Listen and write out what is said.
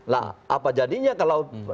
lah apa jadinya kalau